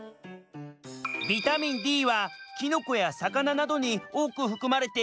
ビタミンＤはきのこやさかななどにおおくふくまれているよ。